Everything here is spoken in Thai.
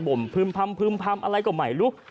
บ่มพึ่มพัมอะไรก็ไหมลุ้ก